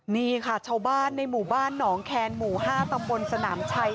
นี่ค่ะชาวบ้านในหมู่บ้านหนองแคนหมู่๕ตำบลสนามชัย